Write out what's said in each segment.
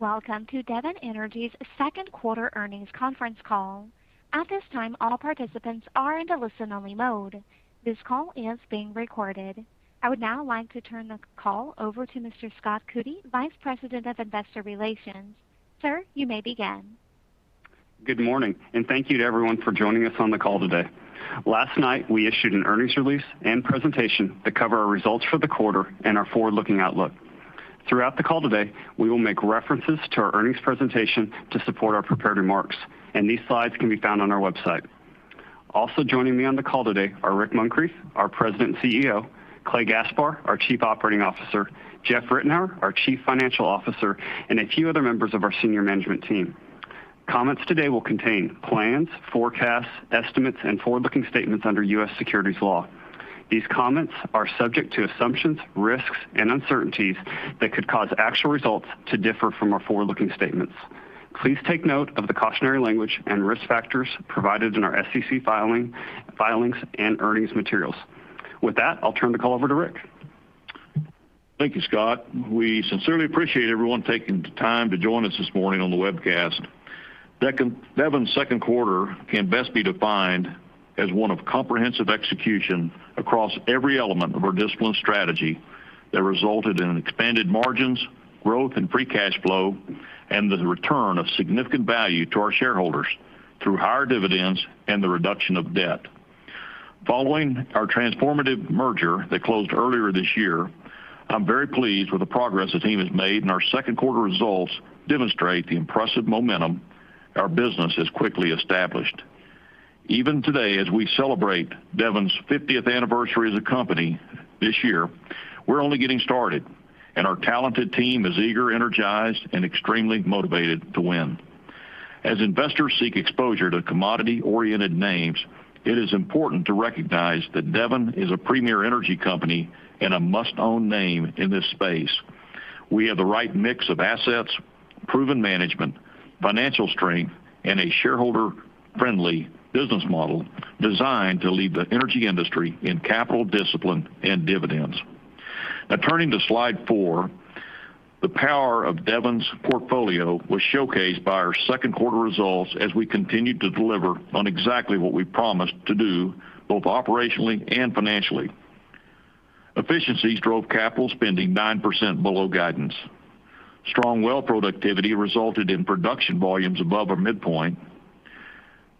Welcome to Devon Energy's second quarter earnings conference call. At this time, all participants are in a listen-only mode. This call is being recorded. I would now like to turn the call over to Mr. Scott Coody, Vice President of Investor Relations. Sir, you may begin. Good morning, and thank you to everyone for joining us on the call today. Last night, we issued an earnings release and presentation that cover our results for the quarter and our forward-looking outlook. Throughout the call today, we will make references to our earnings presentation to support our prepared remarks, and these slides can be found on our website. Also joining me on the call today are Rick Muncrief, our President and CEO, Clay Gaspar, our Chief Operating Officer, Jeff Ritenour, our Chief Financial Officer, and a few other members of our senior management team. Comments today will contain plans, forecasts, estimates, and forward-looking statements under U.S. securities law. These comments are subject to assumptions, risks, and uncertainties that could cause actual results to differ from our forward-looking statements. Please take note of the cautionary language and risk factors provided in our SEC filings and earnings materials. With that, I'll turn the call over to Rick. Thank you, Scott. We sincerely appreciate everyone taking the time to join us this morning on the webcast. Devon's second quarter can best be defined as one of comprehensive execution across every element of our discipline strategy that resulted in expanded margins, growth in free cash flow, and the return of significant value to our shareholders through higher dividends and the reduction of debt. Following our transformative merger that closed earlier this year, I'm very pleased with the progress the team has made, and our second quarter results demonstrate the impressive momentum our business has quickly established. Even today, as we celebrate Devon's 50th anniversary as a company this year, we're only getting started, and our talented team is eager, energized, and extremely motivated to win. As investors seek exposure to commodity-oriented names, it is important to recognize that Devon is a premier energy company and a must-own name in this space. We have the right mix of assets, proven management, financial strength, and a shareholder-friendly business model designed to lead the energy industry in capital discipline and dividends. Now, turning to slide four, the power of Devon's portfolio was showcased by our second quarter results as we continued to deliver on exactly what we promised to do, both operationally and financially. Efficiencies drove capital spending 9% below guidance. Strong well productivity resulted in production volumes above our midpoint.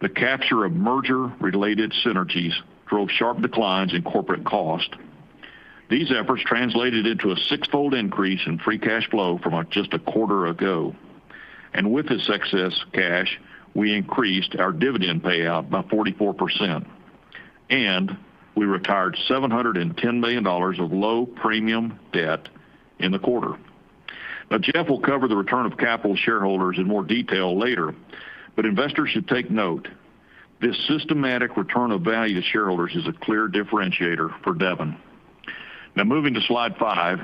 The capture of merger-related synergies drove sharp declines in corporate cost. These efforts translated into a sixfold increase in free cash flow from just a quarter ago. With this excess cash, we increased our dividend payout by 44%, and we retired $710 million of low premium debt in the quarter. Jeff will cover the return of capital to shareholders in more detail later, but investors should take note. This systematic return of value to shareholders is a clear differentiator for Devon. Moving to slide five.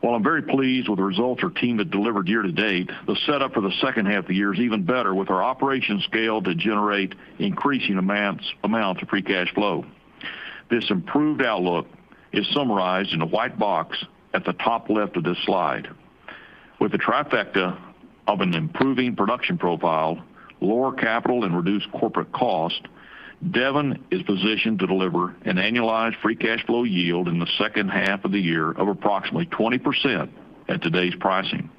While I'm very pleased with the results our team has delivered year-to-date, the setup for the second half of the year is even better with our operation scale to generate increasing amounts of free cash flow. This improved outlook is summarized in the white box at the top left of this slide. With the trifecta of an improving production profile, lower capital, and reduced corporate cost, Devon is positioned to deliver an annualized free cash flow yield in the second half of the year of approximately 20% at today's pricing.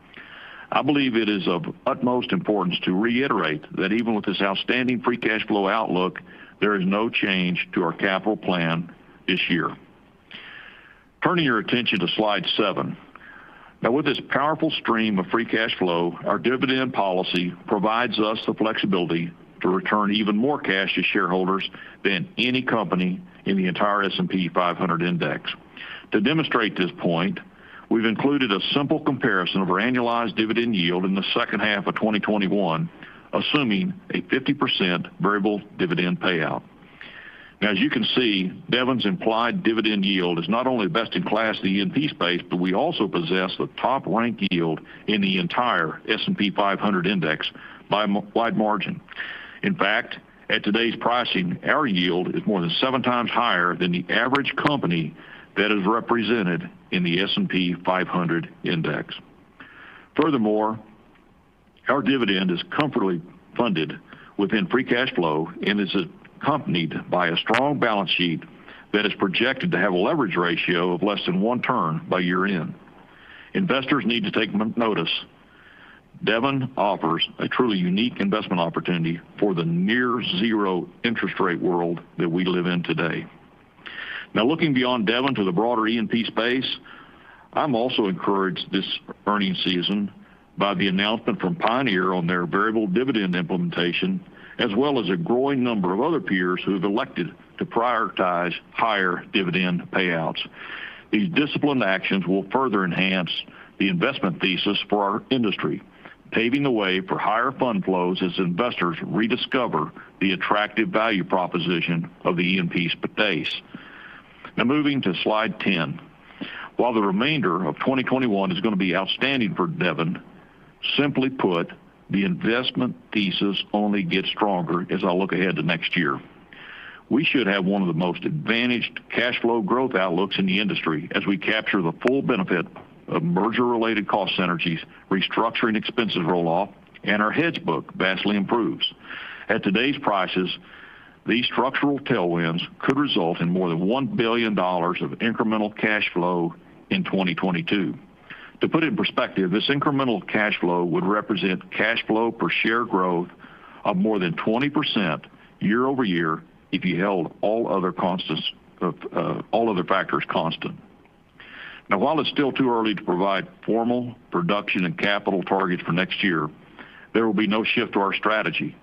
I believe it is of utmost importance to reiterate that even with this outstanding free cash flow outlook, there is no change to our capital plan this year. Turning your attention to slide seven. With this powerful stream of free cash flow, our dividend policy provides us the flexibility to return even more cash to shareholders than any company in the entire S&P 500 index. To demonstrate this point, we've included a simple comparison of our annualized dividend yield in the second half of 2021, assuming a 50% variable dividend payout. Now, as you can see, Devon's implied dividend yield is not only best in class in the E&P space, but we also possess the top-ranked yield in the entire S&P 500 index by a wide margin. In fact, at today's pricing, our yield is more than seven times higher than the average company that is represented in the S&P 500 index. Furthermore, our dividend is comfortably funded within free cash flow and is accompanied by a strong balance sheet that is projected to have a leverage ratio of less than one turn by year-end. Investors need to take notice. Devon offers a truly unique investment opportunity for the near-zero interest rate world that we live in today. Looking beyond Devon to the broader E&P space, I'm also encouraged this earnings season by the announcement from Pioneer on their variable dividend implementation, as well as a growing number of other peers who have elected to prioritize higher dividend payouts. These disciplined actions will further enhance the investment thesis for our industry, paving the way for higher fund flows as investors rediscover the attractive value proposition of the E&P space. Moving to slide 10. While the remainder of 2021 is going to be outstanding for Devon. Simply put, the investment thesis only gets stronger as I look ahead to next year. We should have one of the most advantaged cash flow growth outlooks in the industry as we capture the full benefit of merger-related cost synergies, restructuring expenses roll-off, and our hedge book vastly improves. At today's prices, these structural tailwinds could result in more than $1 billion of incremental cash flow in 2022. To put it in perspective, this incremental cash flow would represent cash flow per share growth of more than 20% year-over-year if you held all other factors constant. Now, while it's still too early to provide formal production and capital targets for next year, there will be no shift to our strategy.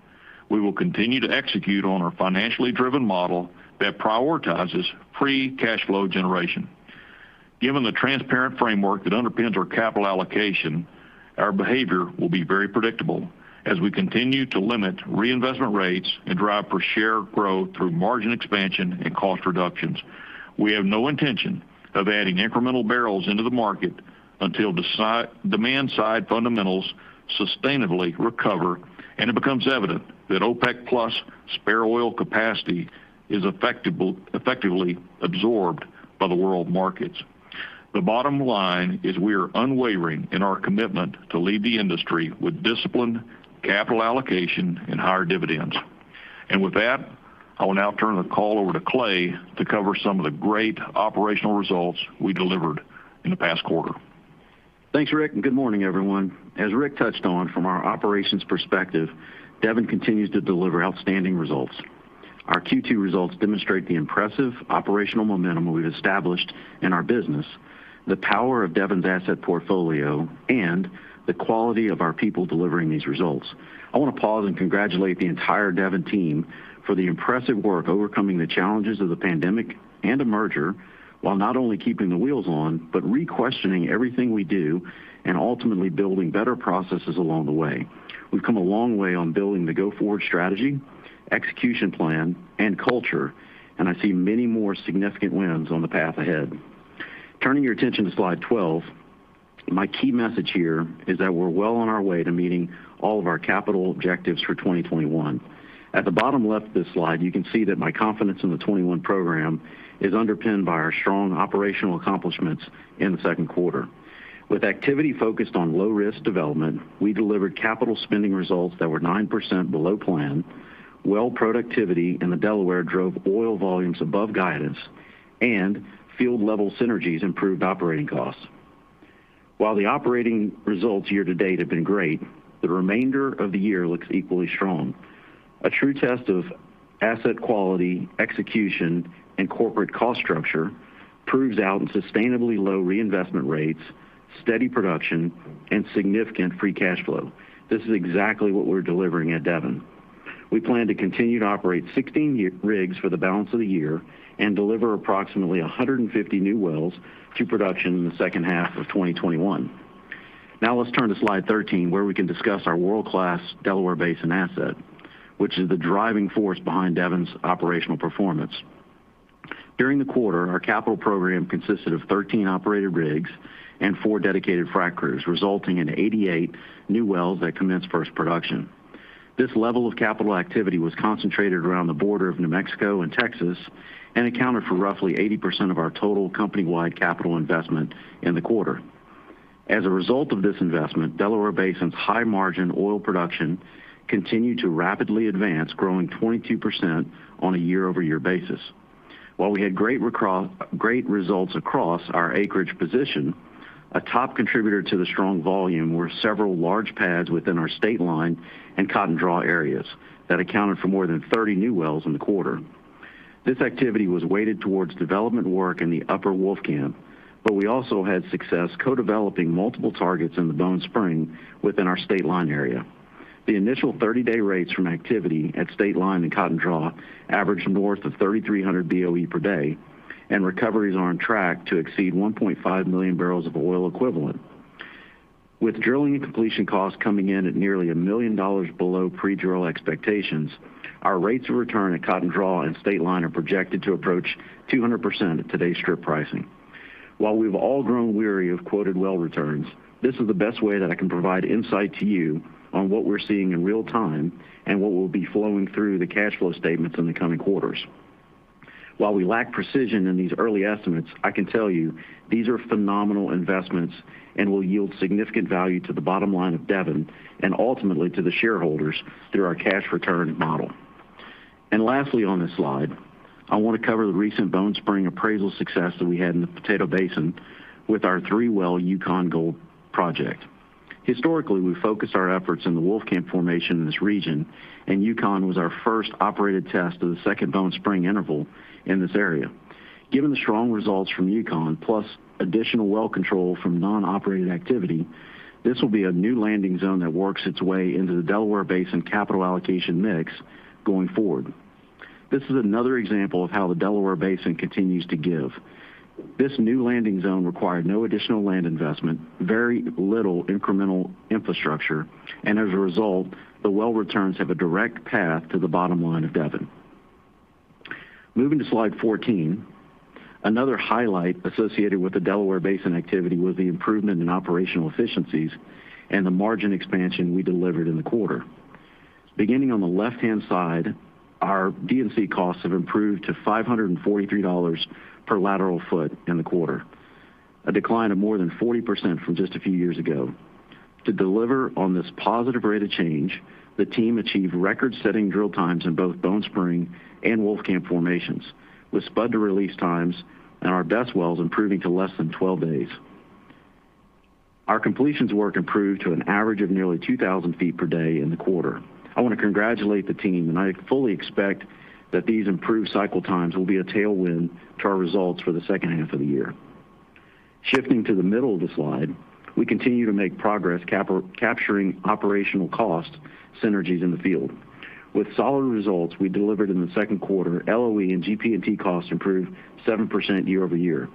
We will continue to execute on our financially driven model that prioritizes free cash flow generation. Given the transparent framework that underpins our capital allocation, our behavior will be very predictable as we continue to limit reinvestment rates and drive per share growth through margin expansion and cost reductions. We have no intention of adding incremental barrels into the market until demand-side fundamentals sustainably recover, and it becomes evident that OPEC+ spare oil capacity is effectively absorbed by the world markets. The bottom line is we are unwavering in our commitment to lead the industry with disciplined capital allocation and higher dividends. With that, I will now turn the call over to Clay to cover some of the great operational results we delivered in the past quarter. Thanks, Rick. Good morning, everyone. As Rick touched on from our operations perspective, Devon continues to deliver outstanding results. Our Q2 results demonstrate the impressive operational momentum we've established in our business, the power of Devon's asset portfolio, and the quality of our people delivering these results. I want to pause and congratulate the entire Devon team for the impressive work overcoming the challenges of the pandemic and a merger, while not only keeping the wheels on, but requestioning everything we do and ultimately building better processes along the way. We've come a long way on building the go-forward strategy, execution plan, and culture. I see many more significant wins on the path ahead. Turning your attention to slide 12, my key message here is that we're well on our way to meeting all of our capital objectives for 2021. At the bottom left of this slide, you can see that my confidence in the 2021 program is underpinned by our strong operational accomplishments in the second quarter. With activity focused on low-risk development, we delivered capital spending results that were 9% below plan. Well productivity in the Delaware drove oil volumes above guidance, and field-level synergies improved operating costs. While the operating results year-to-date have been great, the remainder of the year looks equally strong. A true test of asset quality, execution, and corporate cost structure proves out in sustainably low reinvestment rates, steady production, and significant free cash flow. This is exactly what we're delivering at Devon. We plan to continue to operate 16 rigs for the balance of the year and deliver approximately 150 new wells to production in the second half of 2021. Let's turn to slide 13, where we can discuss our world-class Delaware Basin asset, which is the driving force behind Devon's operational performance. During the quarter, our capital program consisted of 13 operated rigs and four dedicated frac crews, resulting in 88 new wells that commenced first production. This level of capital activity was concentrated around the border of New Mexico and Texas and accounted for roughly 80% of our total company-wide capital investment in the quarter. As a result of this investment, Delaware Basin's high-margin oil production continued to rapidly advance, growing 22% on a year-over-year basis. While we had great results across our acreage position, a top contributor to the strong volume were several large pads within our Stateline and Cotton Draw areas that accounted for more than 30 new wells in the quarter. This activity was weighted towards development work in the Upper Wolfcamp, but we also had success co-developing multiple targets in the Bone Spring within our Stateline area. The initial 30-day rates from activity at Stateline and Cotton Draw averaged north of 3,300 BOE per day, and recoveries are on track to exceed 1.5 million bbl of oil equivalent. With drilling and completion costs coming in at nearly $1 million below pre-drill expectations, our rates of return at Cotton Draw and Stateline are projected to approach 200% at today's strip pricing. While we've all grown weary of quoted well returns, this is the best way that I can provide insight to you on what we're seeing in real time and what will be flowing through the cash flow statements in the coming quarters. While we lack precision in these early estimates, I can tell you these are phenomenal investments and will yield significant value to the bottom line of Devon and ultimately to the shareholders through our cash return model. Lastly on this slide, I want to cover the recent Bone Spring appraisal success that we had in the Potato Basin with our three-well Yukon Gold project. Historically, we focused our efforts on the Wolfcamp formation in this region, and Yukon was our first operated test of the second Bone Spring interval in this area. Given the strong results from Yukon, plus additional well control from non-operated activity, this will be a new landing zone that works its way into the Delaware Basin capital allocation mix going forward. This is another example of how the Delaware Basin continues to give. This new landing zone required no additional land investment, very little incremental infrastructure, and as a result, the well returns have a direct path to the bottom line of Devon. Moving to slide 14, another highlight associated with the Delaware Basin activity was the improvement in operational efficiencies and the margin expansion we delivered in the quarter. Beginning on the left-hand side, our D&C costs have improved to $543 per lateral foot in the quarter. A decline of more than 40% from just a few years ago. To deliver on this positive rate of change, the team achieved record-setting drill times in both Bone Spring and Wolfcamp formations, with spud to release times in our best wells improving to less than 12 days. Our completions work improved to an average of nearly 2,000 ft per day in the quarter. I want to congratulate the team. I fully expect that these improved cycle times will be a tailwind to our results for the second half of the year. Shifting to the middle of the slide, we continue to make progress capturing operational cost synergies in the field. With solid results we delivered in the second quarter, LOE and GP&T costs improved 7% year-over-year.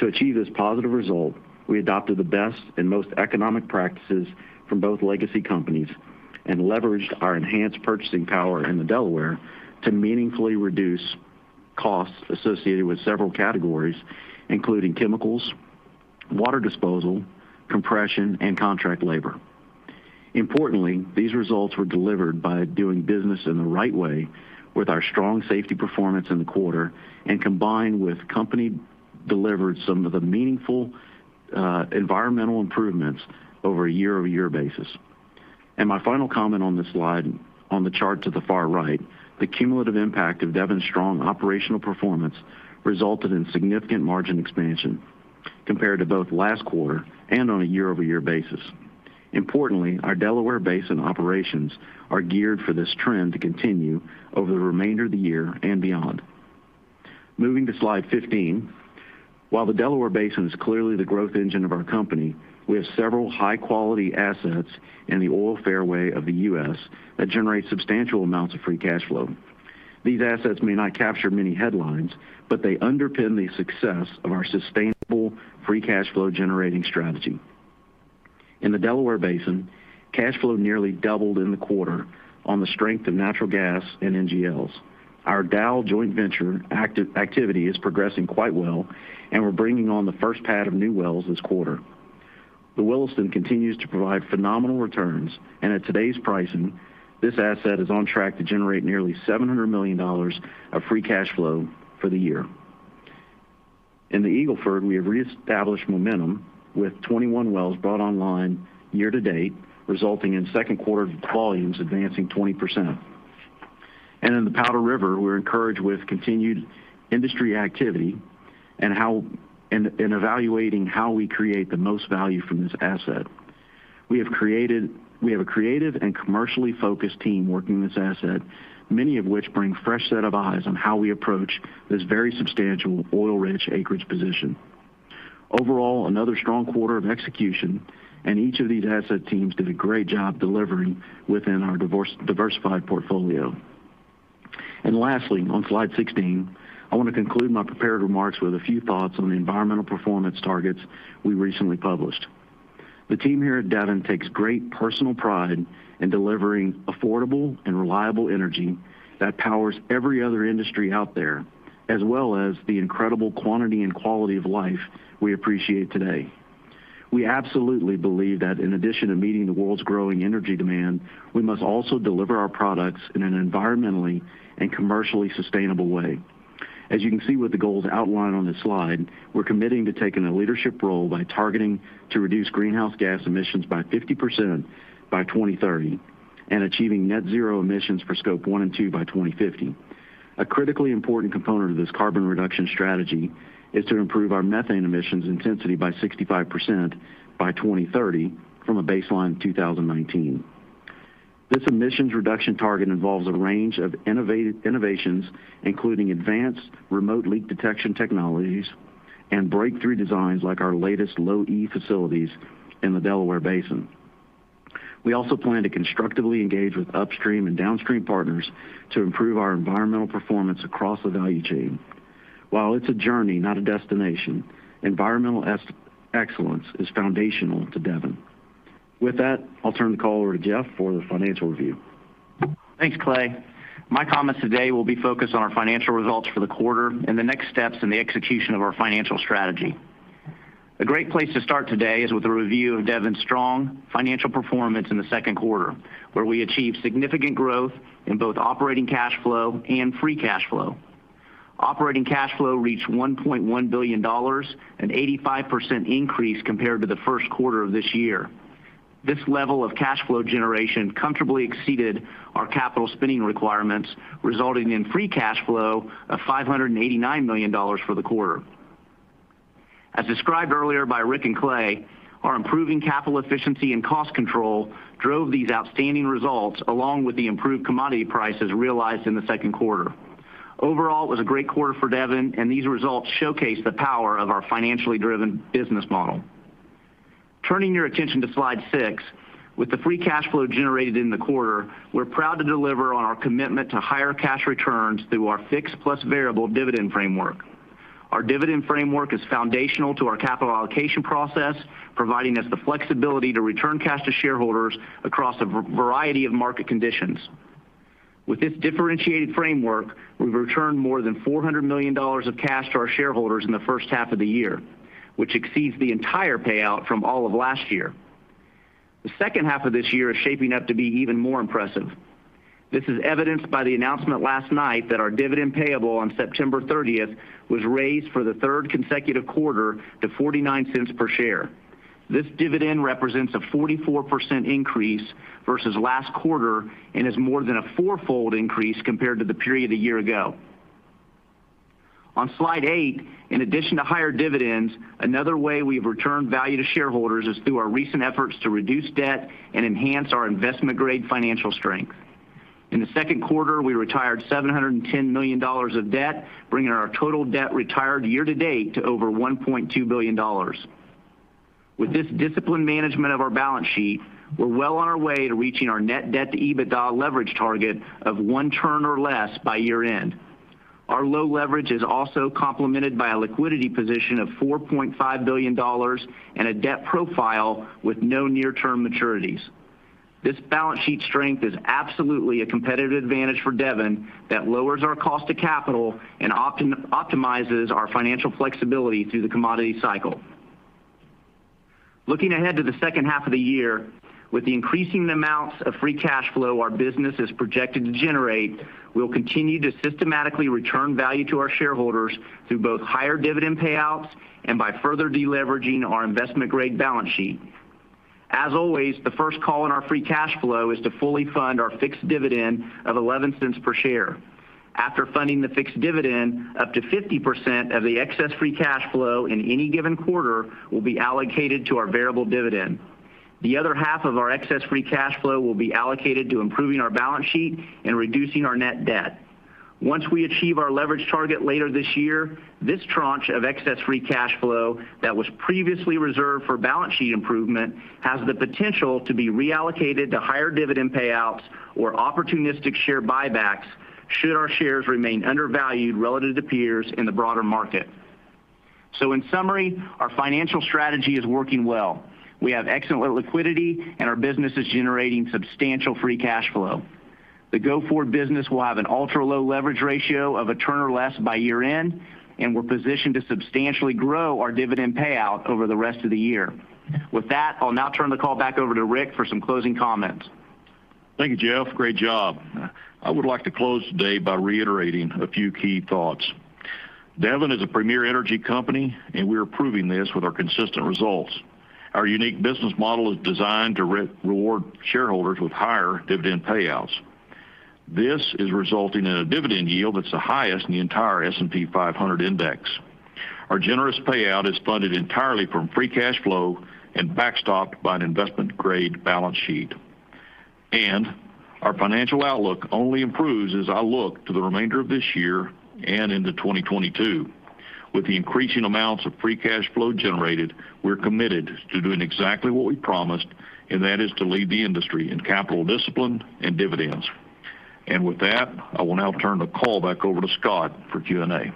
To achieve this positive result, we adopted the best and most economic practices from both legacy companies and leveraged our enhanced purchasing power in the Delaware to meaningfully reduce costs associated with several categories, including chemicals, water disposal, compression, and contract labor. Importantly, these results were delivered by doing business in the right way with our strong safety performance in the quarter, combined with company delivered some of the meaningful environmental improvements over a year-over-year basis. My final comment on this slide, on the chart to the far right, the cumulative impact of Devon's strong operational performance resulted in significant margin expansion compared to both last quarter and on a year-over-year basis. Importantly, our Delaware Basin operations are geared for this trend to continue over the remainder of the year and beyond. Moving to slide 15. While the Delaware Basin is clearly the growth engine of our company, we have several high-quality assets in the oil fairway of the U.S. that generate substantial amounts of free cash flow. These assets may not capture many headlines, but they underpin the success of our sustainable free cash flow generating strategy. In the Delaware Basin, cash flow nearly doubled in the quarter on the strength of natural gas and NGLs. Our Dow joint venture activity is progressing quite well, and we're bringing on the first pad of new wells this quarter. The Williston continues to provide phenomenal returns, and at today's pricing, this asset is on track to generate nearly $700 million of free cash flow for the year. In the Eagle Ford, we have re-established momentum with 21 wells brought online year-to-date, resulting in second quarter volumes advancing 20%. In the Powder River, we're encouraged with continued industry activity and evaluating how we create the most value from this asset. We have a creative and commercially focused team working this asset, many of which bring fresh set of eyes on how we approach this very substantial oil-rich acreage position. Overall, another strong quarter of execution, and each of these asset teams did a great job delivering within our diversified portfolio. Lastly, on slide 16, I want to conclude my prepared remarks with a few thoughts on the environmental performance targets we recently published. The team here at Devon takes great personal pride in delivering affordable and reliable energy that powers every other industry out there, as well as the incredible quantity and quality of life we appreciate today. We absolutely believe that in addition to meeting the world's growing energy demand, we must also deliver our products in an environmentally and commercially sustainable way. As you can see with the goals outlined on this slide, we're committing to taking a leadership role by targeting to reduce greenhouse gas emissions by 50% by 2030 and achieving net zero emissions for Scope 1 and Scope 2 by 2050. A critically important component of this carbon reduction strategy is to improve our methane emissions intensity by 65% by 2030 from a baseline 2019. This emissions reduction target involves a range of innovations, including advanced remote leak detection technologies and breakthrough designs like our latest Low-E facilities in the Delaware Basin. We also plan to constructively engage with upstream and downstream partners to improve our environmental performance across the value chain. While it's a journey, not a destination, environmental excellence is foundational to Devon. With that, I'll turn the call over to Jeff for the financial review. Thanks, Clay. My comments today will be focused on our financial results for the quarter and the next steps in the execution of our financial strategy. A great place to start today is with a review of Devon's strong financial performance in the second quarter, where we achieved significant growth in both operating cash flow and free cash flow. Operating cash flow reached $1.1 billion, an 85% increase compared to the first quarter of this year. This level of cash flow generation comfortably exceeded our capital spending requirements, resulting in free cash flow of $589 million for the quarter. As described earlier by Rick and Clay, our improving capital efficiency and cost control drove these outstanding results, along with the improved commodity prices realized in the second quarter. Overall, it was a great quarter for Devon, and these results showcase the power of our financially driven business model. Turning your attention to slide six, with the free cash flow generated in the quarter, we're proud to deliver on our commitment to higher cash returns through our fixed plus variable dividend framework. Our dividend framework is foundational to our capital allocation process, providing us the flexibility to return cash to shareholders across a variety of market conditions. With this differentiated framework, we've returned more than $400 million of cash to our shareholders in the first half of the year, which exceeds the entire payout from all of last year. The second half of this year is shaping up to be even more impressive. This is evidenced by the announcement last night that our dividend payable on September 30th was raised for the third consecutive quarter to $0.49 per share. This dividend represents a 44% increase versus last quarter and is more than a four-fold increase compared to the period a year ago. On slide eight, in addition to higher dividends, another way we've returned value to shareholders is through our recent efforts to reduce debt and enhance our investment-grade financial strength. In the second quarter, we retired $710 million of debt, bringing our total debt retired year-to-date to over $1.2 billion. With this disciplined management of our balance sheet, we're well on our way to reaching our net debt to EBITDA leverage target of one turn or less by year-end. Our low leverage is also complemented by a liquidity position of $4.5 billion and a debt profile with no near-term maturities. This balance sheet strength is absolutely a competitive advantage for Devon Energy that lowers our cost of capital and optimizes our financial flexibility through the commodity cycle. Looking ahead to the second half of the year, with the increasing amounts of free cash flow our business is projected to generate, we'll continue to systematically return value to our shareholders through both higher dividend payouts and by further de-leveraging our investment-grade balance sheet. As always, the first call on our free cash flow is to fully fund our fixed dividend of $0.11 per share. After funding the fixed dividend, up to 50% of the excess free cash flow in any given quarter will be allocated to our variable dividend. The other half of our excess free cash flow will be allocated to improving our balance sheet and reducing our net debt. Once we achieve our leverage target later this year, this tranche of excess free cash flow that was previously reserved for balance sheet improvement has the potential to be reallocated to higher dividend payouts or opportunistic share buybacks should our shares remain undervalued relative to peers in the broader market. In summary, our financial strategy is working well. We have excellent liquidity, and our business is generating substantial free cash flow. The go-forward business will have an ultra-low leverage ratio of a turn or less by year-end, and we're positioned to substantially grow our dividend payout over the rest of the year. With that, I'll now turn the call back over to Rick for some closing comments. Thank you, Jeff. Great job. I would like to close today by reiterating a few key thoughts. Devon is a premier energy company. We are proving this with our consistent results. Our unique business model is designed to reward shareholders with higher dividend payouts. This is resulting in a dividend yield that's the highest in the entire S&P 500 index. Our generous payout is funded entirely from free cash flow and backstopped by an investment-grade balance sheet. Our financial outlook only improves as I look to the remainder of this year and into 2022. With the increasing amounts of free cash flow generated, we're committed to doing exactly what we promised, and that is to lead the industry in capital discipline and dividends. With that, I will now turn the call back over to Scott for Q&A.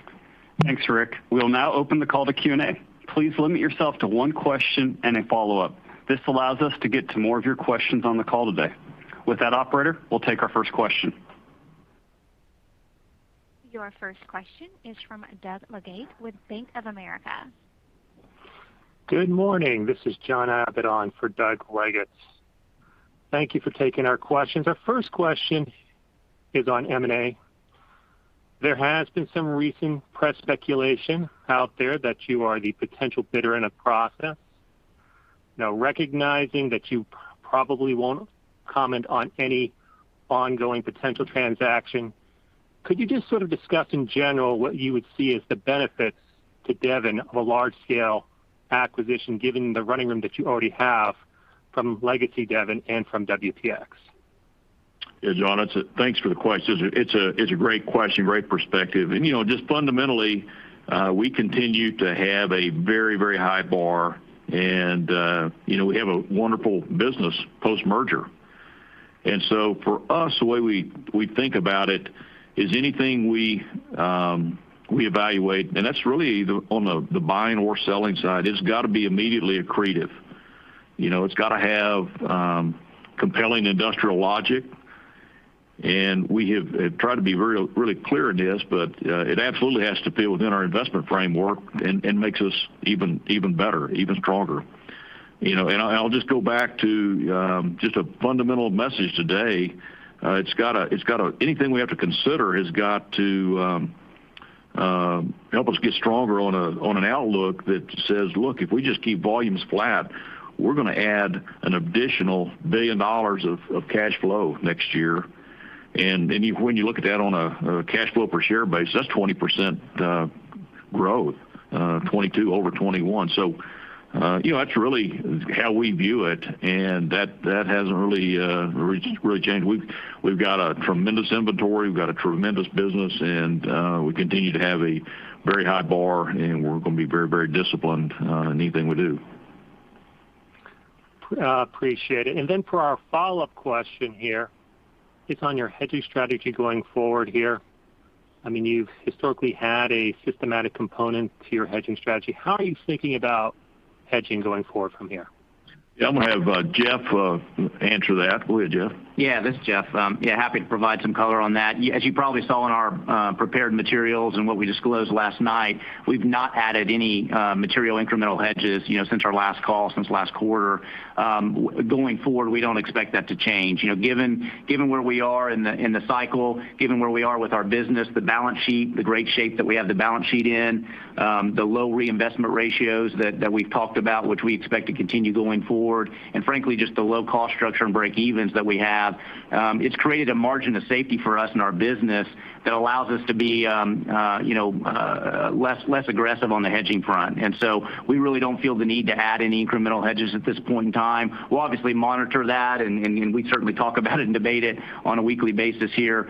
Thanks, Rick. We'll now open the call to Q&A. Please limit yourself to one question and a follow-up. This allows us to get to more of your questions on the call today. With that operator, we'll take our first question. Your first question is from Doug Leggate with Bank of America. Good morning. This is John Abbott on for Doug Leggate. Thank you for taking our questions. Our first question is on M&A. There has been some recent press speculation out there that you are the potential bidder in a process. Recognizing that you probably won't comment on any ongoing potential transaction, could you just sort of discuss in general what you would see as the benefits to Devon of a large-scale acquisition, given the running room that you already have from legacy Devon and from WPX? Yeah, John, thanks for the question. It's a great question, great perspective. Just fundamentally, we continue to have a very high bar, and we have a wonderful business post-merger. For us, the way we think about it is anything we evaluate, and that's really on the buying or selling side, has got to be immediately accretive. It's got to have compelling industrial logic. We have tried to be really clear in this, but it absolutely has to fit within our investment framework and makes us even better, even stronger. I'll just go back to just a fundamental message today. Anything we have to consider has got to help us get stronger on an outlook that says, look, if we just keep volumes flat, we're going to add an additional $1 billion of cash flow next year. When you look at that on a cash flow per share basis, that's 20% growth, 2022 over 2021. That's really how we view it, and that hasn't really changed. We've got a tremendous inventory, we've got a tremendous business, and we continue to have a very high bar, and we're going to be very, very disciplined on anything we do. Appreciate it. Then for our follow-up question here, it's on your hedging strategy going forward here. You've historically had a systematic component to your hedging strategy. How are you thinking about hedging going forward from here? Yeah. I'm going to have Jeff answer that. Go ahead, Jeff. Yeah, this is Jeff. Yeah, happy to provide some color on that. As you probably saw in our prepared materials and what we disclosed last night, we've not added any material incremental hedges since our last call, since last quarter. Going forward, we don't expect that to change. Given where we are in the cycle, given where we are with our business, the balance sheet, the great shape that we have the balance sheet in, the low reinvestment ratios that we've talked about, which we expect to continue going forward, and frankly just the low cost structure and break evens that we have, it's created a margin of safety for us in our business that allows us to be less aggressive on the hedging front. We really don't feel the need to add any incremental hedges at this point in time. We'll obviously monitor that, and we certainly talk about it and debate it on a weekly basis here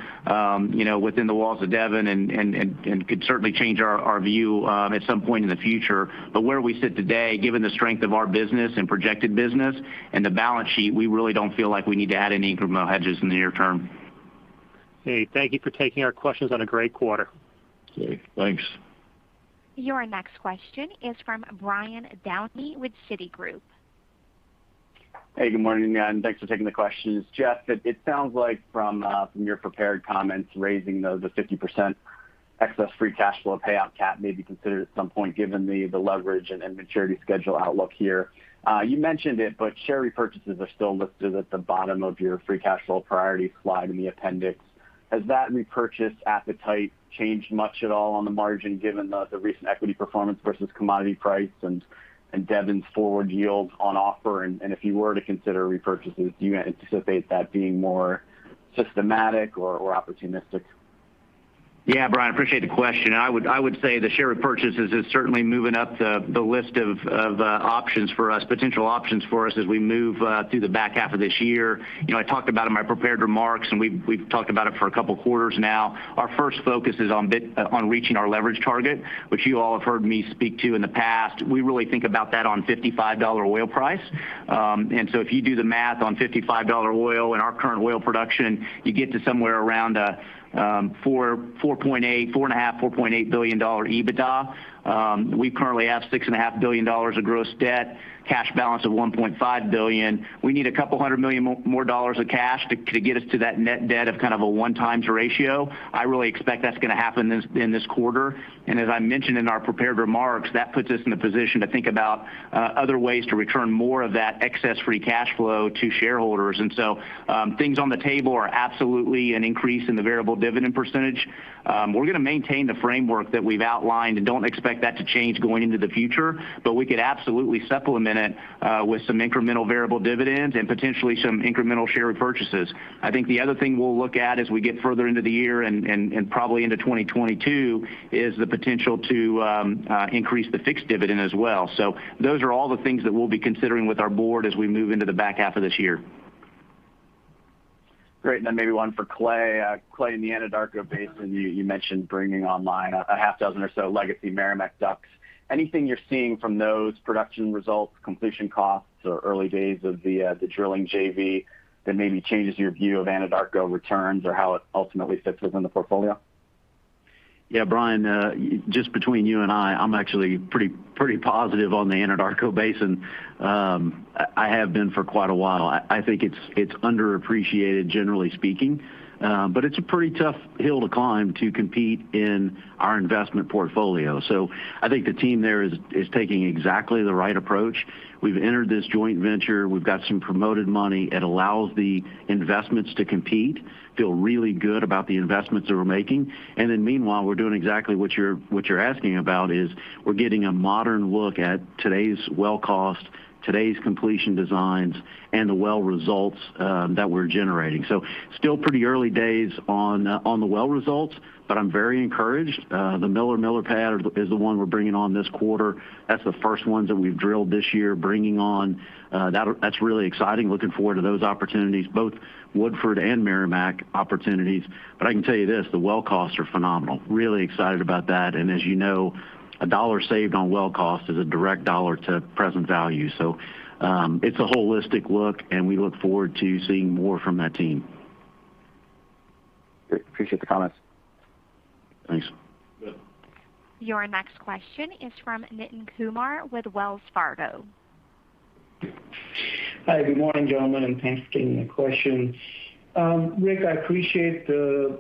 within the walls of Devon and could certainly change our view at some point in the future. Where we sit today, given the strength of our business and projected business and the balance sheet, we really don't feel like we need to add any incremental hedges in the near term. Okay. Thank you for taking our questions on a great quarter. Okay, thanks. Your next question is from Brian Downey with Citigroup. Good morning, thanks for taking the questions. Jeff, it sounds like from your prepared comments raising the 50% excess free cash flow payout cap may be considered at some point given the leverage and maturity schedule outlook here. You mentioned it, share repurchases are still listed at the bottom of your free cash flow priority slide in the appendix. Has that repurchase appetite changed much at all on the margin given the recent equity performance versus commodity price and Devon's forward yields on offer? If you were to consider repurchases, do you anticipate that being more systematic or opportunistic? Yeah, Brian, appreciate the question. I would say the share purchases is certainly moving up the list of potential options for us as we move through the back half of this year. I talked about in my prepared remarks, and we've talked about it for a couple of quarters now. Our first focus is on reaching our leverage target, which you all have heard me speak to in the past. We really think about that on $55 oil price. So if you do the math on $55 oil and our current oil production, you get to somewhere around a $4.5 billion-$4.8 billion EBITDA. We currently have $6.5 billion of gross debt, cash balance of $1.5 billion. We need a couple of hundred million more dollars of cash to get us to that net debt of kind of a 1x ratio. I really expect that's going to happen in this quarter. As I mentioned in our prepared remarks, that puts us in a position to think about other ways to return more of that excess free cash flow to shareholders. Things on the table are absolutely an increase in the variable dividend percent. We're going to maintain the framework that we've outlined and don't expect that to change going into the future. We could absolutely supplement it with some incremental variable dividends and potentially some incremental share repurchases. I think the other thing we'll look at as we get further into the year and probably into 2022 is the potential to increase the fixed dividend as well. Those are all the things that we'll be considering with our board as we move into the back half of this year. Great. Maybe one for Clay. Clay, in the Anadarko Basin, you mentioned bringing online a half dozen or so legacy Meramec DUCs. Anything you're seeing from those production results, completion costs, or early days of the drilling JV that maybe changes your view of Anadarko returns or how it ultimately fits within the portfolio? Yeah, Brian, just between you and I'm actually pretty positive on the Anadarko Basin. I have been for quite a while. I think it's underappreciated, generally speaking. It's a pretty tough hill to climb to compete in our investment portfolio. I think the team there is taking exactly the right approach. We've entered this joint venture. We've got some promoted money. It allows the investments to compete, feel really good about the investments that we're making. Meanwhile, we're doing exactly what you're asking about is we're getting a modern look at today's well cost, today's completion designs, and the well results that we're generating. Still pretty early days on the well results, but I'm very encouraged. The Miller/Miller pad is the one we're bringing on this quarter. That's the first ones that we've drilled this year, bringing on. That's really exciting. Looking forward to those opportunities, both Woodford and Meramec opportunities. I can tell you this, the well costs are phenomenal. Really excited about that. As you know, $1 saved on well cost is a direct $1 to present value. It's a holistic look, and we look forward to seeing more from that team. Great. Appreciate the comments. Thanks. Yeah. Your next question is from Nitin Kumar with Wells Fargo. Hi, good morning, gentlemen, and thanks for taking the questions. Rick, I appreciate the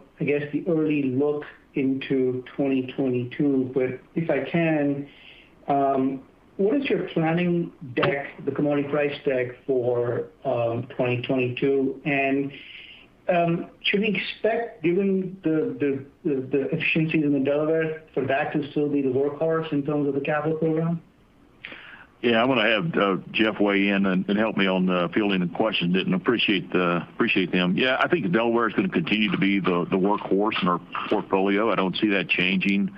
early look into 2022. If I can, what is your planning deck, the commodity price deck for 2022? Should we expect, given the efficiencies in the Delaware, for that to still be the workhorse in terms of the capital program? Yeah, I'm going to have Jeff weigh in and help me on fielding the question, Nitin. Appreciate them. Yeah, I think Delaware is going to continue to be the workhorse in our portfolio. I don't see that changing.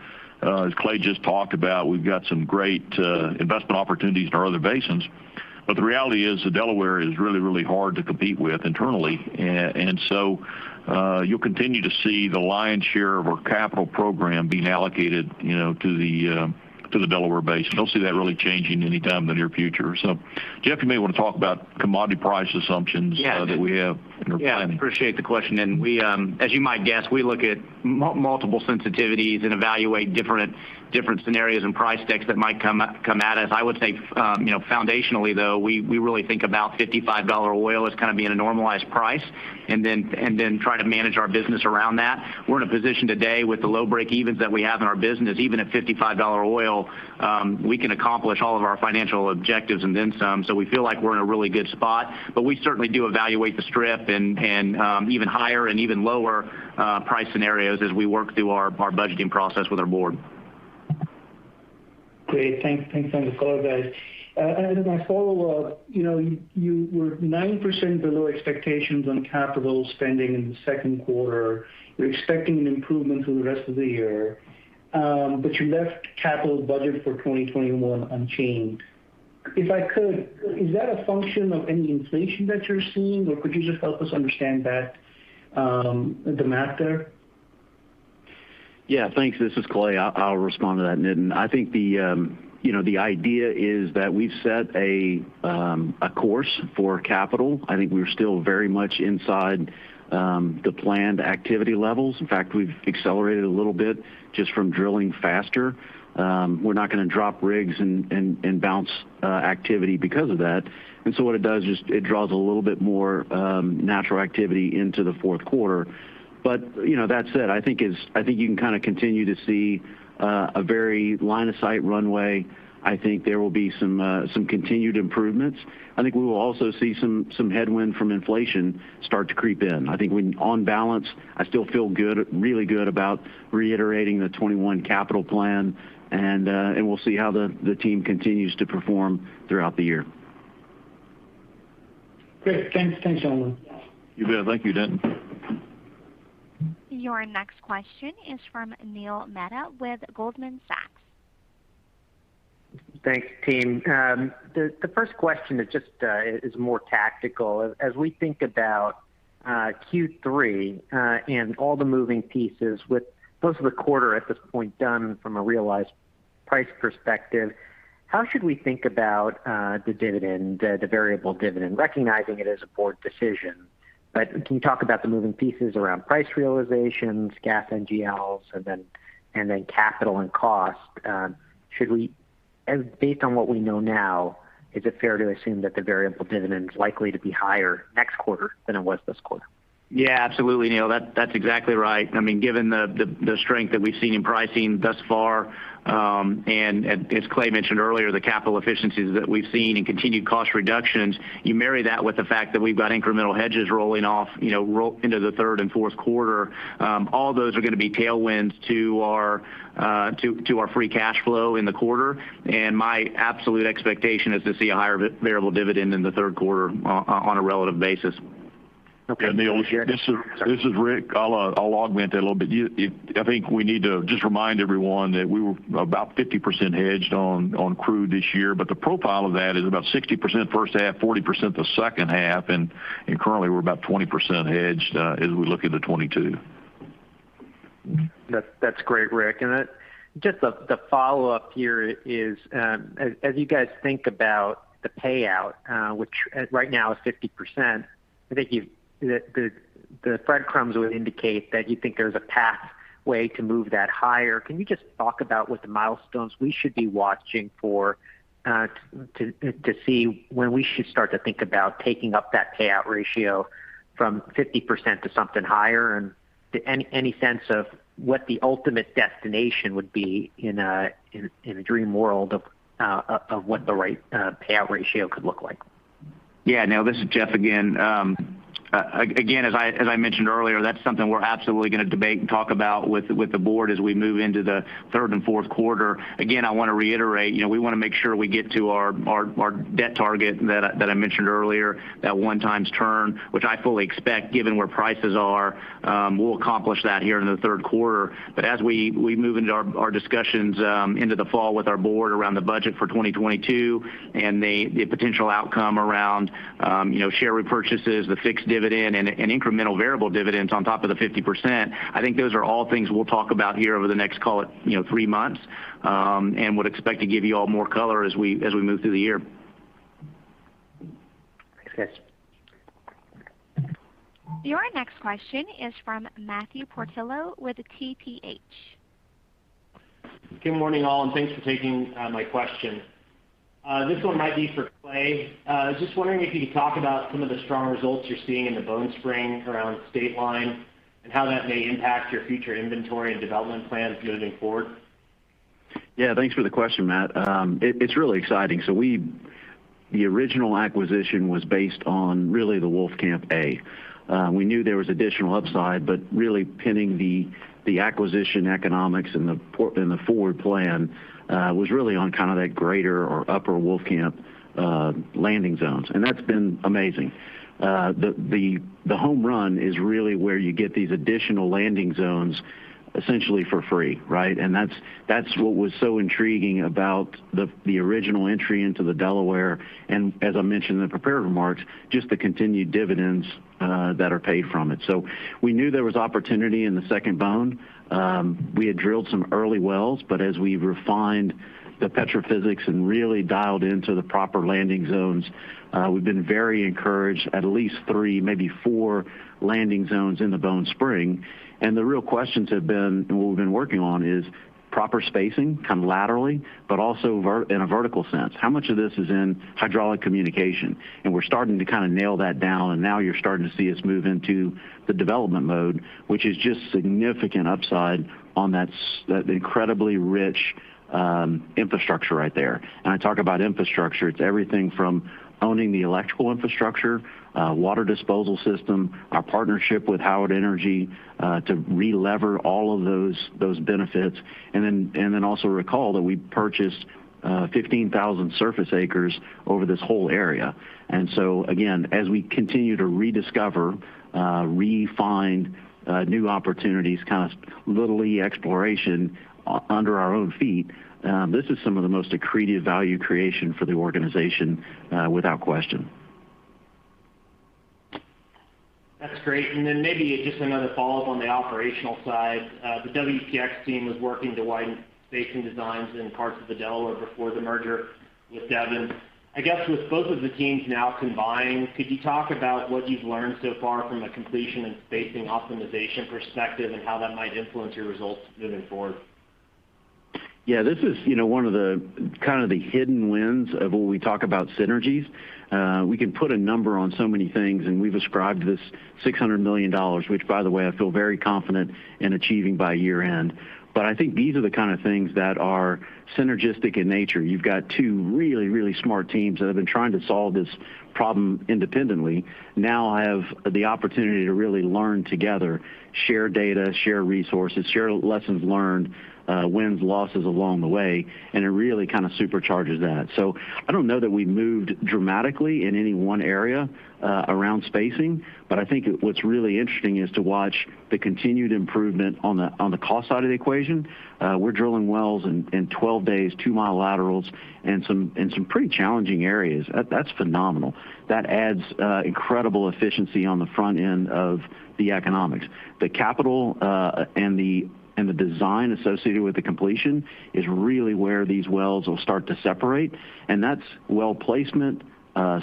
As Clay just talked about, we've got some great investment opportunities in our other basins, but the reality is that Delaware is really, really hard to compete with internally. You'll continue to see the lion's share of our capital program being allocated to the Delaware basin. Don't see that really changing anytime in the near future. Jeff, you may want to talk about commodity price assumptions. Yeah that we have in our planning. Yeah, appreciate the question, Nitin. As you might guess, we look at multiple sensitivities and evaluate different scenarios and price decks that might come at us. I would say foundationally though, we really think about $55 oil as kind of being a normalized price, and then try to manage our business around that. We're in a position today with the low breakeven that we have in our business, even at $55 oil, we can accomplish all of our financial objectives and then some. We feel like we're in a really good spot. We certainly do evaluate the strip and even higher and even lower price scenarios as we work through our budgeting process with our board. Great. Thanks. Thanks. Thanks a lot, guys. As my follow-up, you were 9% below expectations on capital spending in the second quarter. You're expecting an improvement through the rest of the year, you left capital budget for 2021 unchanged. If I could, is that a function of any inflation that you're seeing? Could you just help us understand the math there? Yeah, thanks. This is Clay. I'll respond to that, Nitin. I think the idea is that we've set a course for capital. I think we're still very much inside the planned activity levels. In fact, we've accelerated a little bit just from drilling faster. We're not going to drop rigs and bounce activity because of that. What it does is it draws a little bit more natural activity into the fourth quarter. That said, I think you can continue to see a very line-of-sight runway. I think there will be some continued improvements. I think we will also see some headwind from inflation start to creep in. I think on balance, I still feel really good about reiterating the 2021 capital plan. We'll see how the team continues to perform throughout the year. Great. Thanks. Thanks, gentlemen. You bet. Thank you, Nitin. Your next question is from Neil Mehta with Goldman Sachs. Thanks, team. The first question is more tactical. As we think about Q3 and all the moving pieces with most of the quarter, at this point, done from a realized price perspective, how should we think about the dividend, the variable dividend, recognizing it as a board decision? Can you talk about the moving pieces around price realizations, gas, NGLs, and then capital and cost? Based on what we know now, is it fair to assume that the variable dividend is likely to be higher next quarter than it was this quarter? Yeah, absolutely, Neil. That's exactly right. Given the strength that we've seen in pricing thus far, and as Clay mentioned earlier, the capital efficiencies that we've seen and continued cost reductions, you marry that with the fact that we've got incremental hedges rolling off into the third and fourth quarter. All those are going to be tailwinds to our free cash flow in the quarter. My absolute expectation is to see a higher variable dividend in the third quarter on a relative basis. Okay. Neil- Sure. This is Rick. I'll augment that a little bit. I think we need to just remind everyone that we were about 50% hedged on crude this year, but the profile of that is about 60% the first half, 40% the second half, and currently we're about 20% hedged as we look into 2022. That's great, Rick. Just the follow-up here is, as you guys think about the payout, which right now is 50%, I think the breadcrumbs would indicate that you think there's a pathway to move that higher. Can you just talk about what the milestones we should be watching for to see when we should start to think about taking up that payout ratio from 50% to something higher? Any sense of what the ultimate destination would be in a dream world of what the right payout ratio could look like? Yeah. Neil, this is Jeff again. Again, as I mentioned earlier, that's something we're absolutely going to debate and talk about with the Board as we move into the third and fourth quarter. Again, I want to reiterate, we want to make sure we get to our debt target that I mentioned earlier, that 1x turn, which I fully expect given where prices are. We'll accomplish that here in the third quarter. As we move into our discussions into the fall with our Board around the budget for 2022 and the potential outcome around share repurchases, the fixed dividend, and incremental variable dividends on top of the 50%, I think those are all things we'll talk about here over the next, call it, three months, and would expect to give you all more color as we move through the year. Thanks, guys. Your next question is from Matthew Portillo with TPH. Good morning, all, and thanks for taking my question. This one might be for Clay. I was just wondering if you could talk about some of the strong results you're seeing in the Bone Spring around Stateline, and how that may impact your future inventory and development plans moving forward. Yeah. Thanks for the question, Matt. It's really exciting. The original acquisition was based on really the Wolfcamp A. We knew there was additional upside, pinning the acquisition economics and the forward plan was really on that Greater or Upper Wolfcamp landing zones. That's been amazing. The home run is really where you get these additional landing zones essentially for free. Right? That's what was so intriguing about the original entry into the Delaware, as I mentioned in the prepared remarks, just the continued dividends that are paid from it. We knew there was opportunity in the Second Bone. We had drilled some early wells, as we've refined the petrophysics and really dialed into the proper landing zones, we've been very encouraged, at least three, maybe four landing zones in the Bone Spring. The real questions have been, and what we've been working on is proper spacing, laterally, but also in a vertical sense. How much of this is in hydraulic communication? We're starting to nail that down, and now you're starting to see us move into the development mode, which is just significant upside on that incredibly rich infrastructure right there. When I talk about infrastructure, it's everything from owning the electrical infrastructure, water disposal system, our partnership with Howard Energy to relever all of those benefits. Also recall that we purchased 15,000 surface acres over this whole area. Again, as we continue to rediscover, refine new opportunities, literally exploration under our own feet, this is some of the most accretive value creation for the organization, without question. That's great. Maybe just another follow-up on the operational side. The WPX team was working to widen spacing designs in parts of the Delaware before the merger with Devon. I guess with both of the teams now combined, could you talk about what you've learned so far from a completion and spacing optimization perspective, and how that might influence your results moving forward? Yeah. This is one of the hidden wins of when we talk about synergies. We can put a number on so many things, and we've ascribed this $600 million, which by the way, I feel very confident in achieving by year-end. I think these are the kind of things that are synergistic in nature. You've got two really smart teams that have been trying to solve this problem independently. Now I have the opportunity to really learn together, share data, share resources, share lessons learned, wins, losses along the way, and it really supercharges that. I don't know that we've moved dramatically in any one area around spacing. I think what's really interesting is to watch the continued improvement on the cost side of the equation. We're drilling wells in 12 days, two-mile laterals in some pretty challenging areas. That's phenomenal. That adds incredible efficiency on the front end of the economics. The capital and the design associated with the completion is really where these wells will start to separate, and that's well placement,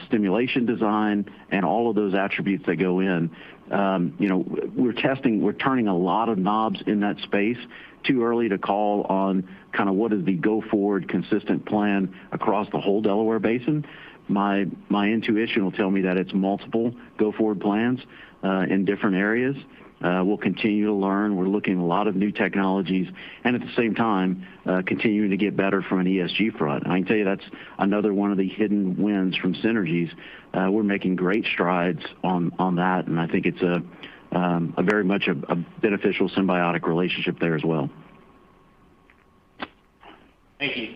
stimulation design, and all of those attributes that go in. We're turning a lot of knobs in that space. Too early to call on what is the go-forward consistent plan across the whole Delaware Basin. My intuition will tell me that it's multiple go-forward plans in different areas. We'll continue to learn. We're looking at a lot of new technologies, and at the same time, continuing to get better from an ESG front. I can tell you that's another one of the hidden wins from synergies. We're making great strides on that, and I think it's a very much a beneficial symbiotic relationship there as well. Thank you.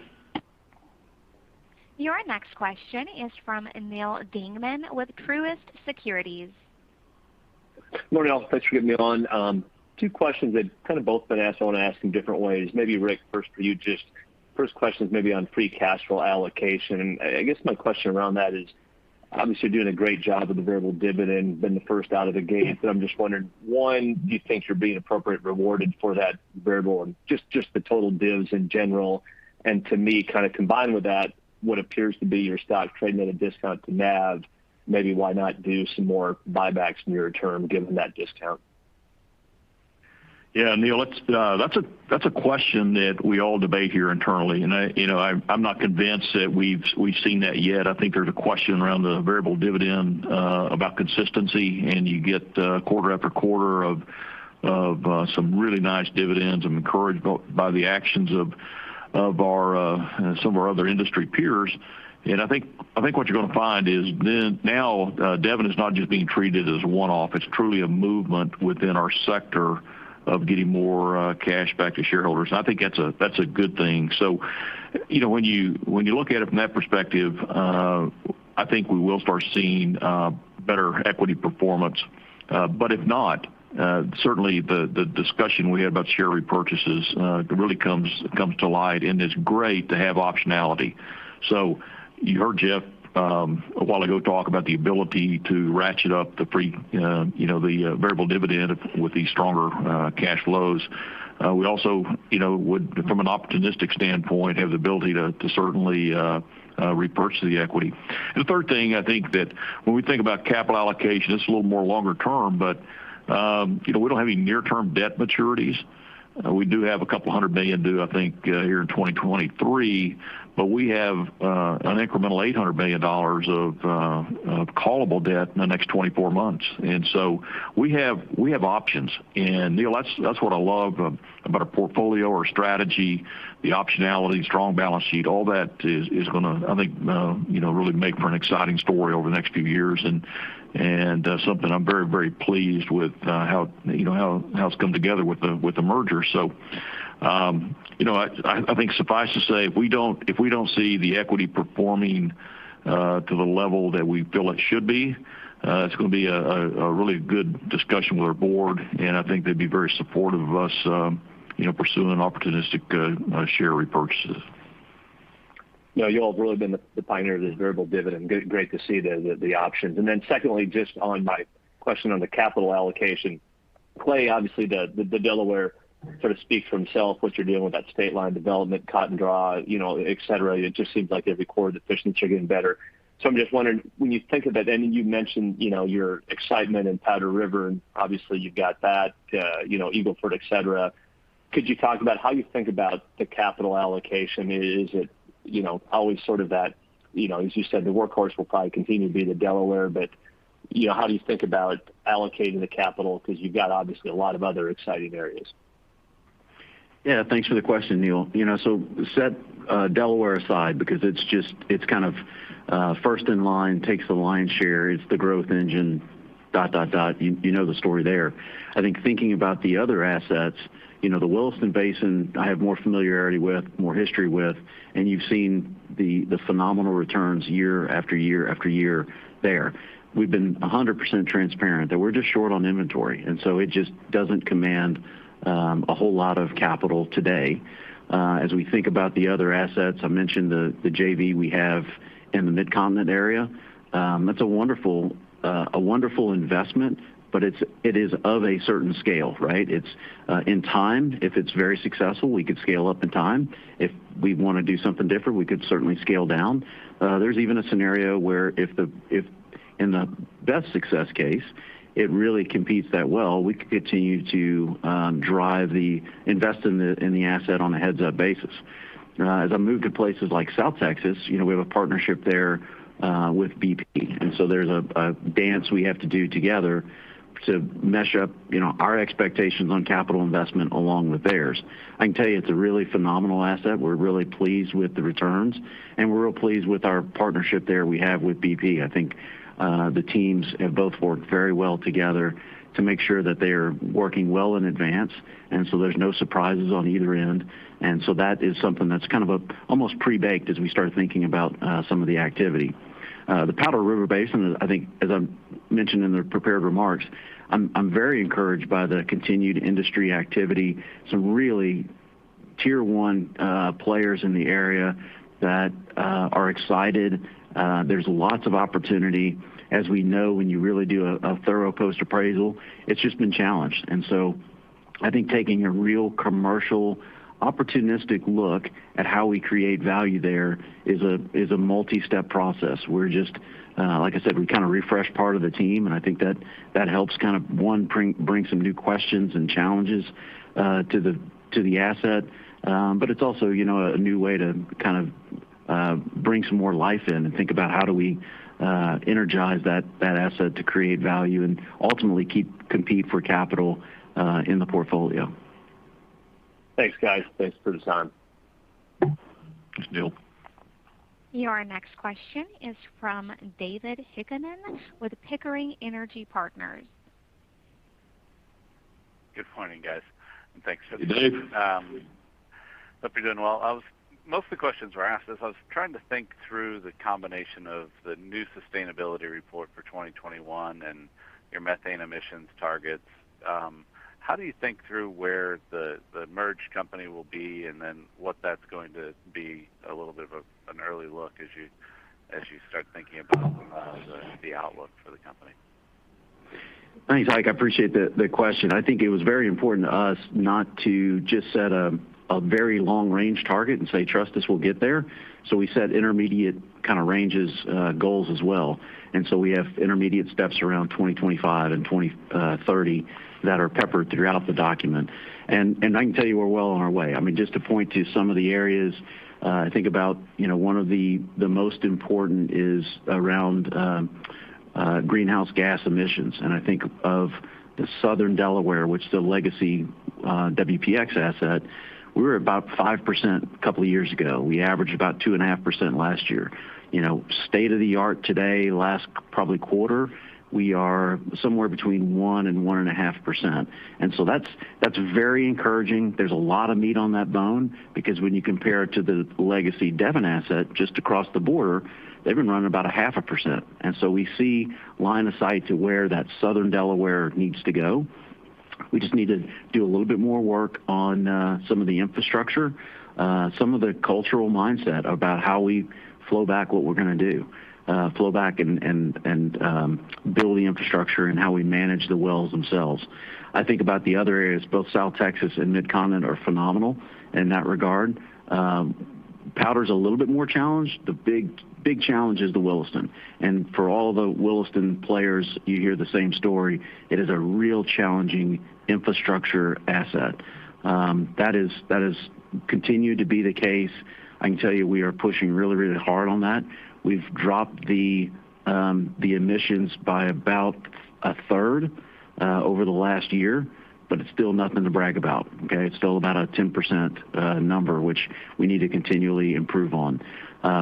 Your next question is from Neal Dingmann with Truist Securities. Morning all. Thanks for getting me on. Two questions that both been asked, I want to ask in different ways. Maybe Rick, first for you just, first question is maybe on free cash flow allocation. I guess my question around that is, obviously you're doing a great job with the variable dividend, been the first out of the gate. I'm just wondering, one, do you think you're being appropriately rewarded for that variable, and just the total divs in general? To me, combined with that, what appears to be your stock trading at a discount to NAV, maybe why not do some more buybacks near term given that discount? Yeah, Neal, that's a question that we all debate here internally. I'm not convinced that we've seen that yet. I think there's a question around the variable dividend about consistency. You get quarter after quarter of some really nice dividends. I'm encouraged by the actions of some of our other industry peers. I think what you're going to find is now Devon is not just being treated as a one-off. It's truly a movement within our sector of giving more cash back to shareholders. I think that's a good thing. When you look at it from that perspective, I think we will start seeing better equity performance. If not, certainly the discussion we had about share repurchases really comes to light, and it's great to have optionality. You heard Jeff a while ago talk about the ability to ratchet up the variable dividend with these stronger cash flows. We also would, from an opportunistic standpoint, have the ability to certainly repurchase the equity. The third thing, I think that when we think about capital allocation, this is a little more longer term, but we don't have any near-term debt maturities. We do have a couple hundred million due, I think, here in 2023. We have an incremental $800 billion of callable debt in the next 24 months. We have options. Neal, that's what I love about our portfolio, our strategy. The optionality, strong balance sheet, all that is going to, I think, really make for an exciting story over the next few years and something I'm very, very pleased with how it's come together with the merger. I think suffice to say, if we don't see the equity performing to the level that we feel it should be, it's going to be a really good discussion with our board, and I think they'd be very supportive of us pursuing opportunistic share repurchases. Yeah. You all have really been the pioneer of this variable dividend. Good. Great to see the options. Secondly, just on my question on the capital allocation, Clay, obviously the Delaware sort of speaks for himself, what you're doing with that Stateline development, Cotton Draw, et cetera. It just seems like every quarter the efficiency getting better. I'm just wondering, when you think of that, and you mentioned your excitement in Powder River, and obviously you've got that, Eagle Ford, et cetera. Could you talk about how you think about the capital allocation? Is it always sort of that, as you said, the workhorse will probably continue to be the Delaware, but how do you think about allocating the capital? Because you've got obviously a lot of other exciting areas. Thanks for the question, Neal. Set Delaware aside because it's kind of first in line, takes the lion's share, it's the growth engine, dot, dot. You know the story there. I think thinking about the other assets, the Williston Basin, I have more familiarity with, more history with, and you've seen the phenomenal returns year after year after year there. We've been 100% transparent that we're just short on inventory, it just doesn't command a whole lot of capital today. As we think about the other assets, I mentioned the JV we have in the Mid-Continent area. That's a wonderful investment, it is of a certain scale, right? In time, if it's very successful, we could scale up in time. If we want to do something different, we could certainly scale down. There's even a scenario where if in the best success case, it really competes that well, we could continue to drive the investment in the asset on a heads-up basis. As I move to places like South Texas, we have a partnership there with BP, and so there's a dance we have to do together to mesh up our expectations on capital investment along with theirs. I can tell you it's a really phenomenal asset. We're really pleased with the returns, and we're real pleased with our partnership there we have with BP. I think the teams have both worked very well together to make sure that they are working well in advance. There's no surprises on either end, and so that is something that's kind of almost pre-baked as we start thinking about some of the activity. The Powder River Basin, I think, as I mentioned in the prepared remarks, I'm very encouraged by the continued industry activity. Some really Tier 1 players in the area that are excited. There's lots of opportunity. As we know, when you really do a thorough post appraisal, it's just been challenged. I think taking a real commercial, opportunistic look at how we create value there is a multi-step process. We're just like I said, we kind of refreshed part of the team, and I think that helps kind of one, bring some new questions and challenges to the asset. It's also a new way to kind of bring some more life in and think about how do we energize that asset to create value and ultimately compete for capital in the portfolio. Thanks, guys. Thanks for the time. Thanks, Neal. Your next question is from David Heikkinen with Pickering Energy Partners. Good morning, guys. Hey, Dave. Thanks. Hope you're doing well. Most of the questions were asked, as I was trying to think through the combination of the new sustainability report for 2021 and your methane emissions targets. How do you think through where the merged company will be and then what that's going to be a little bit of an early look as you start thinking about the outlook for the company? Thanks, Mike. I appreciate the question. I think it was very important to us not to just set a very long-range target and say, "Trust us, we'll get there." We set intermediate kind of ranges goals as well. We have intermediate steps around 2025 and 2030 that are peppered throughout the document. I can tell you we're well on our way. I mean, just to point to some of the areas I think about one of the most important is around greenhouse gas emissions. I think of the Southern Delaware, which is a legacy WPX asset. We were about 5% a couple of years ago. We averaged about 2.5% last year. State of the art today, last probably quarter, we are somewhere between 1%-1.5%. That's very encouraging. There's a lot of meat on that bone because when you compare it to the legacy Devon asset just across the border, they've been running about a 0.5%. We see line of sight to where that Southern Delaware needs to go. We just need to do a little bit more work on some of the infrastructure, some of the cultural mindset about how we flow back what we're going to do. Flow back and build the infrastructure and how we manage the wells themselves. I think about the other areas, both South Texas and Mid-Continent are phenomenal in that regard. Powder's a little bit more challenged. The big challenge is the Williston. For all the Williston players, you hear the same story. It is a real challenging infrastructure asset. That has continued to be the case. I can tell you we are pushing really, really hard on that. We've dropped the emissions by about 1/3 over the last year, but it's still nothing to brag about. Okay? It's still about a 10% number, which we need to continually improve on.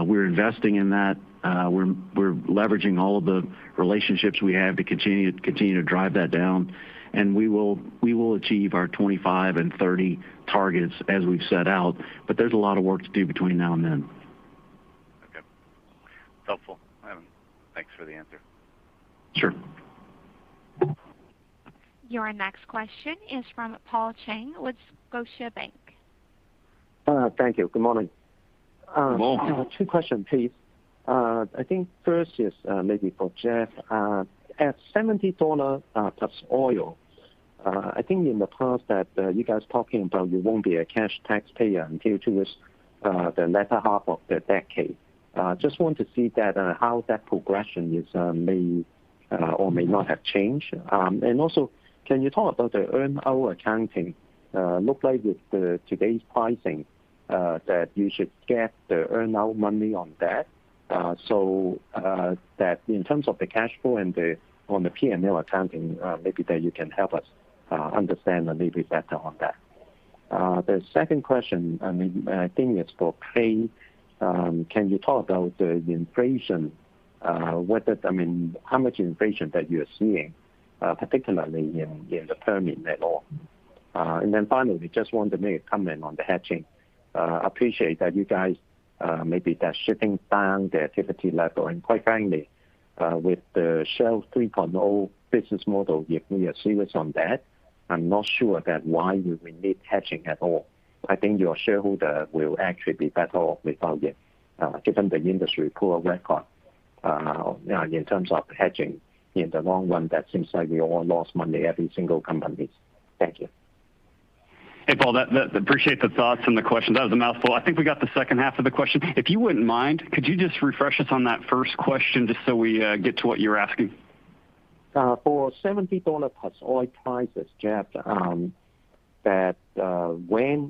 We're investing in that. We're leveraging all of the relationships we have to continue to drive that down. We will achieve our 2025 and 2030 targets as we've set out. There's a lot of work to do between now and then. Okay. Helpful. Thanks for the answer. Sure. Your next question is from Paul Cheng with Scotiabank. Thank you. Good morning. Good morning. Two question please. I think first is maybe for Jeff. At $70+ oil, I think in the past that you guys talking about you won't be a cash taxpayer until to this, the latter half of the decade. Just want to see how that progression may or may not have changed. Also, can you talk about the earn-out accounting? Look like with today's pricing, that you should get the earn-out money on that. That in terms of the cashflow and on the P&L accounting, maybe there you can help us understand a little bit better on that. The second question, I think it's for Clay. Can you talk about the inflation? How much inflation that you're seeing, particularly in the Permian at all? Then finally, just want to make a comment on the hedging. Appreciate that you guys maybe that shipping down the activity level and quite frankly, with the Shale 3.0 business model, if we are serious on that, I'm not sure that why you will need hedging at all. I think your shareholder will actually be better off without it, given the industry poor record in terms of hedging in the long run that seems like we all lost money, every single company. Thank you. Hey, Paul. Appreciate the thoughts and the questions. That was a mouthful. I think we got the second half of the question. If you wouldn't mind, could you just refresh us on that first question just so we get to what you're asking? For $70+ oil prices, Jeff, that in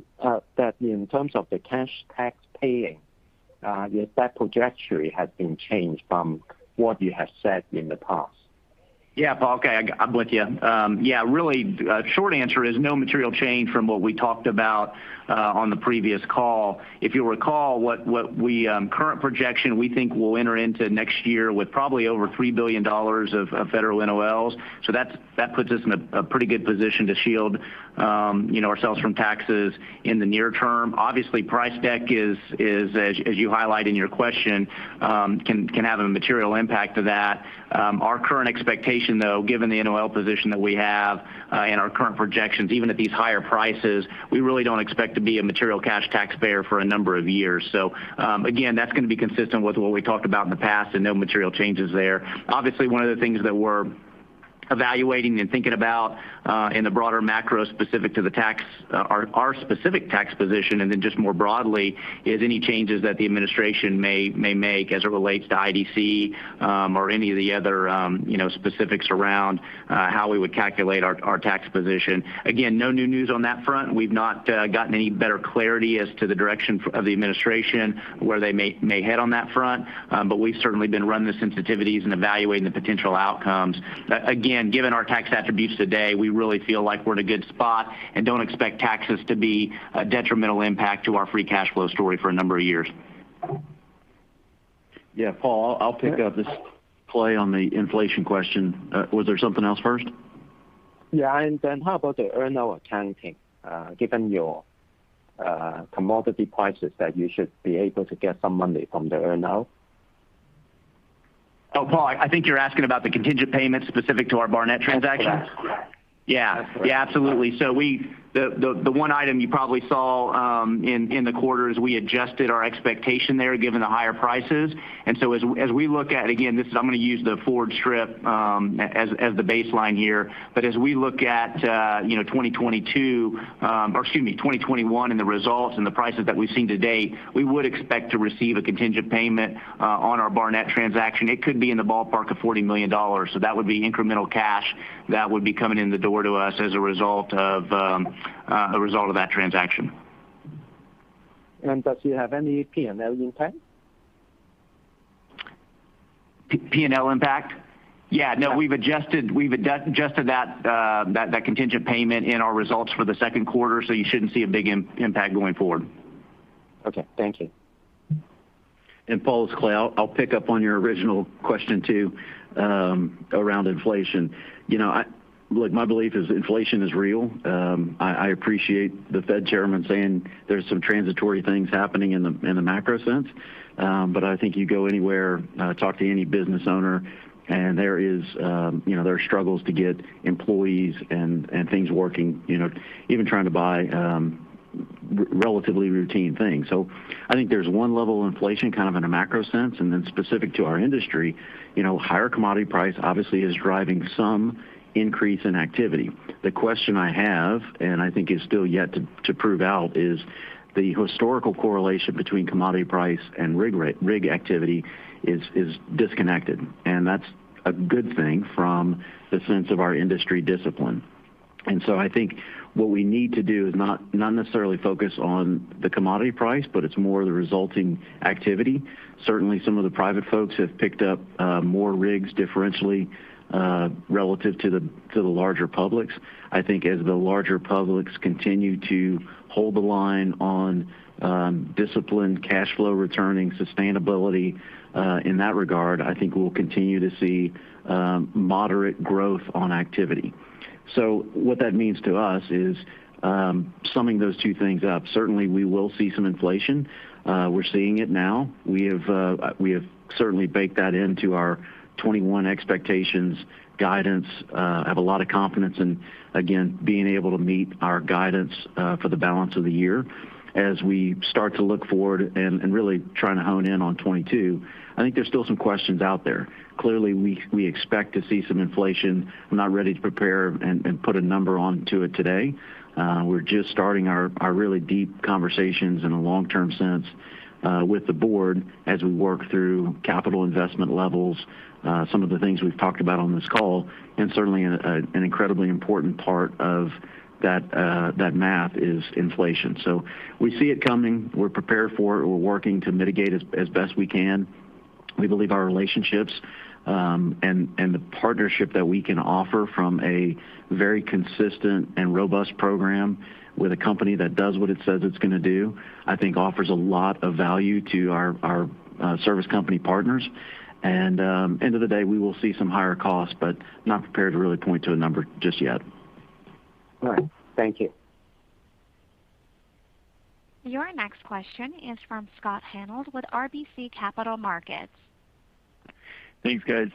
terms of the cash tax paying, if that trajectory has been changed from what you have said in the past? Paul, okay. I'm with you. Really, short answer is no material change from what we talked about on the previous call. If you'll recall, current projection, we think we'll enter into next year with probably over $3 billion of federal NOLs. That puts us in a pretty good position to shield ourselves from taxes in the near term. Obviously, price deck is, as you highlight in your question, can have a material impact to that. Our current expectation, though, given the NOL position that we have, and our current projections, even at these higher prices, we really don't expect to be a material cash taxpayer for a number of years. Again, that's going to be consistent with what we talked about in the past and no material changes there. Obviously, one of the things that we're evaluating and thinking about, in the broader macro, specific to our specific tax position, and then just more broadly, is any changes that the administration may make as it relates to IDC, or any of the other specifics around how we would calculate our tax position. Again, no new news on that front. We've not gotten any better clarity as to the direction of the administration, where they may head on that front. We've certainly been running the sensitivities and evaluating the potential outcomes. Again, given our tax attributes today, we really feel like we're in a good spot and don't expect taxes to be a detrimental impact to our free cash flow story for a number of years. Yeah. Paul, I'll pick up this play on the inflation question. Was there something else first? Yeah, how about the earn-out accounting? Given your commodity prices that you should be able to get some money from the earn-out. Paul, I think you're asking about the contingent payments specific to our Barnett transaction. That's correct. Absolutely. The one item you probably saw in the quarter is we adjusted our expectation there given the higher prices. As we look at, again, I'm going to use the forward strip as the baseline here. As we look at 2022, or excuse me, 2021 and the results and the prices that we've seen to date, we would expect to receive a contingent payment on our Barnett transaction. It could be in the ballpark of $40 million. That would be incremental cash that would be coming in the door to us as a result of that transaction. Does you have any P&L impact? P&L impact? Yeah, no, we've adjusted that contingent payment in our results for the second quarter. You shouldn't see a big impact going forward. Okay. Thank you. Paul, it's Clay. I'll pick up on your original question, too, around inflation. Look, my belief is inflation is real. I appreciate the Fed chairman saying there's some transitory things happening in the macro sense. I think you go anywhere, talk to any business owner, and there are struggles to get employees and things working. Even trying to buy relatively routine thing. I think there's one level of inflation kind of in a macro sense, and then specific to our industry, higher commodity price obviously is driving some increase in activity. The question I have, and I think is still yet to prove out, is the historical correlation between commodity price and rig activity is disconnected. That's a good thing from the sense of our industry discipline. I think what we need to do is not necessarily focus on the commodity price, but it's more the resulting activity. Certainly, some of the private folks have picked up more rigs differentially relative to the larger publics. I think as the larger publics continue to hold the line on disciplined cash flow returning sustainability in that regard, I think we'll continue to see moderate growth on activity. What that means to us is, summing those two things up, certainly we will see some inflation. We're seeing it now. We have certainly baked that into our 2021 expectations guidance, have a lot of confidence in, again, being able to meet our guidance for the balance of the year. As we start to look forward and really trying to hone in on 2022, I think there is still some questions out there. Clearly, we expect to see some inflation. I'm not ready to prepare and put a number onto it today. We're just starting our really deep conversations in a long-term sense with the board as we work through capital investment levels. Some of the things we've talked about on this call, certainly an incredibly important part of that map is inflation. We see it coming. We're prepared for it. We're working to mitigate as best we can. We believe our relationships and the partnership that we can offer from a very consistent and robust program with a company that does what it says it's going to do, I think offers a lot of value to our service company partners. End of the day, we will see some higher costs, but not prepared to really point to a number just yet. All right. Thank you. Your next question is from Scott Hanold with RBC Capital Markets. Thanks, guys.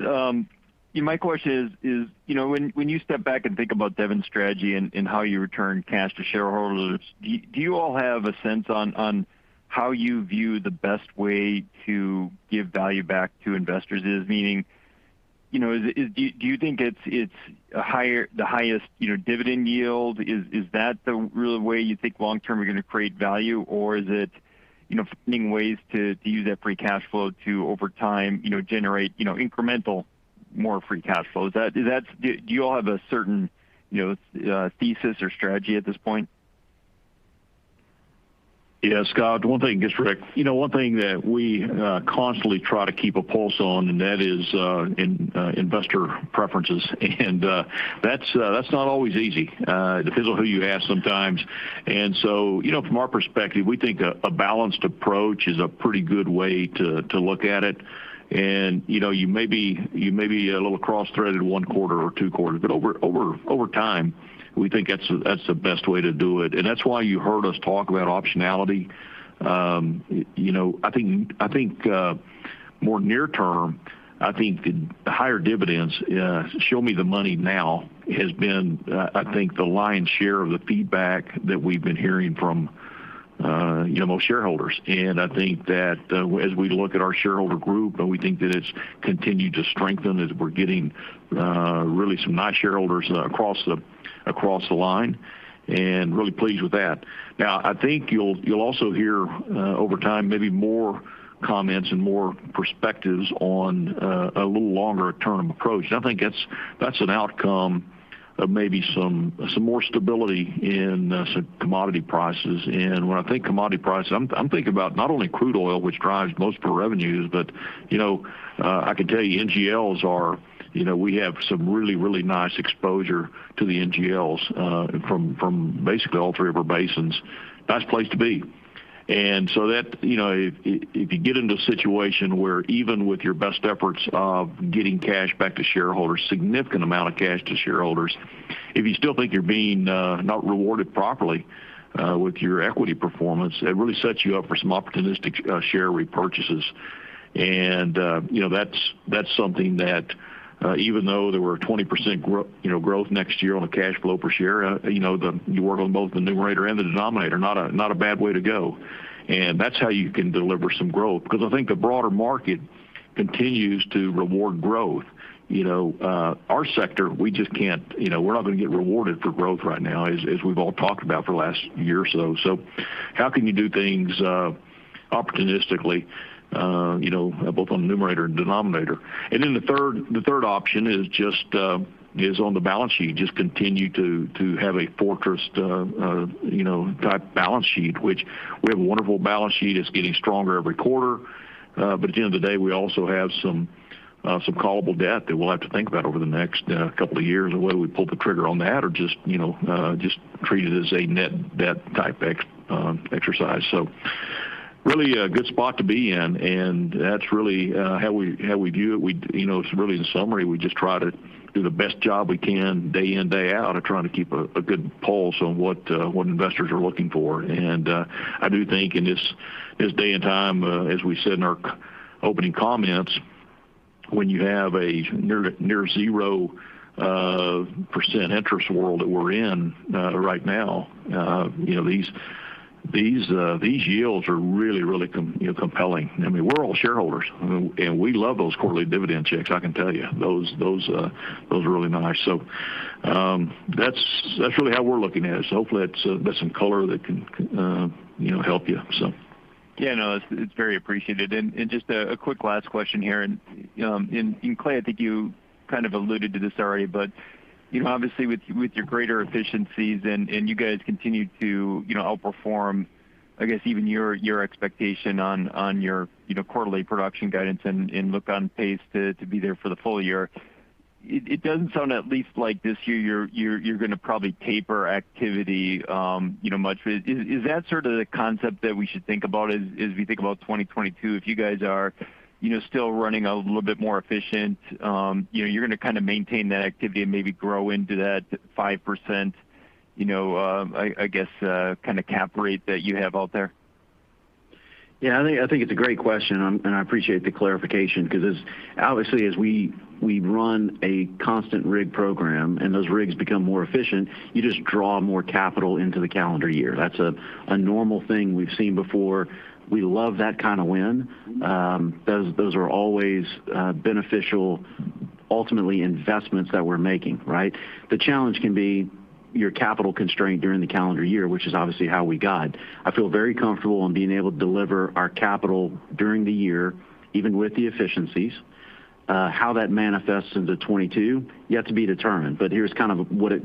My question is when you step back and think about Devon's strategy and how you return cash to shareholders, do you all have a sense on how you view the best way to give value back to investors is? Meaning, do you think it's the highest dividend yield? Is that the real way you think long term you're going to create value? Is it finding ways to use that free cash flow to, over time, generate incremental more free cash flow? Do you all have a certain thesis or strategy at this point? Yeah, Scott. This is Rick. One thing that we constantly try to keep a pulse on, that is investor preferences. That's not always easy. It depends on who you ask sometimes. From our perspective, we think a balanced approach is a pretty good way to look at it. You may be a little cross-threaded one quarter or two quarters, over time, we think that's the best way to do it. That's why you heard us talk about optionality. I think more near term, I think the higher dividends, show me the money now, has been I think the lion's share of the feedback that we've been hearing from most shareholders. I think that as we look at our shareholder group, we think that it's continued to strengthen as we're getting really some nice shareholders across the line, and really pleased with that. I think you'll also hear over time, maybe more comments and more perspectives on a little longer-term approach. I think that's an outcome of maybe some more stability in commodity prices. When I think commodity prices, I'm thinking about not only crude oil, which drives most of our revenues, but I can tell you NGLs, we have some really, really nice exposure to the NGLs from basically all three river basins. Nice place to be. If you get into a situation where even with your best efforts of getting cash back to shareholders, significant amount of cash to shareholders, if you still think you're being not rewarded properly with your equity performance, it really sets you up for some opportunistic share repurchases. That's something that even though there were 20% growth next year on a cash flow per share, you work on both the numerator and the denominator. Not a bad way to go. That's how you can deliver some growth because I think the broader market continues to reward growth. Our sector, we're not going to get rewarded for growth right now, as we've all talked about for the last year or so. How can you do things opportunistically both on the numerator and denominator? The third option is on the balance sheet, just continue to have a fortress-type balance sheet. Which we have a wonderful balance sheet that's getting stronger every quarter. At the end of the day, we also have some callable debt that we'll have to think about over the next couple years of whether we pull the trigger on that or just treat it as a net debt type exercise. Really a good spot to be in, and that's really how we view it. Really in summary, we just try to do the best job we can day in, day out of trying to keep a good pulse on what investors are looking for. I do think in this day and time, as we said in our opening comments When you have a near 0% interest world that we're in right now, these yields are really compelling. We're all shareholders, and we love those quarterly dividend checks, I can tell you. Those are really nice. That's really how we're looking at it. Hopefully that's some color that can help you. Yeah, no, it's very appreciated. Just a quick last question here. Clay, I think you kind of alluded to this already, but obviously with your greater efficiencies and you guys continue to outperform, I guess, even your expectation on your quarterly production guidance and look on pace to be there for the full-year. It doesn't sound at least like this year you're going to probably taper activity much. Is that sort of the concept that we should think about as we think about 2022? If you guys are still running a little bit more efficient, you're going to kind of maintain that activity and maybe grow into that 5%, I guess, kind of cap rate that you have out there? I think it's a great question. I appreciate the clarification because obviously as we run a constant rig program and those rigs become more efficient, you just draw more capital into the calendar year. That's a normal thing we've seen before. We love that kind of win. Those are always beneficial, ultimately investments that we're making, right? The challenge can be your capital constraint during the calendar year, which is obviously how we guide. I feel very comfortable in being able to deliver our capital during the year, even with the efficiencies. How that manifests into 2022, yet to be determined. Here's kind of what it